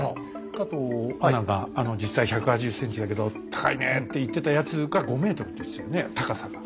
加藤アナが実際１８０ｃｍだけど高いねって言ってたやつが５ｍって言ってたよね高さが。